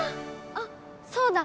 あっそうだ。